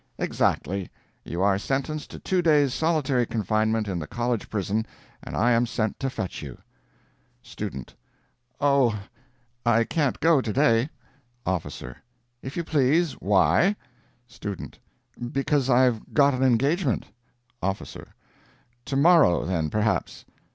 "Exactly. You are sentenced to two days' solitary confinement in the College prison, and I am sent to fetch you." STUDENT. "O, I can't go today." OFFICER. "If you please why?" STUDENT. "Because I've got an engagement." OFFICER. "Tomorrow, then, perhaps?"